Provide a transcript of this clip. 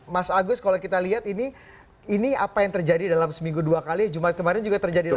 mas agus kalau kita lihat ini ini apa yang terjadi dalam seminggu dua kali jumat kemarin juga terjadi lagi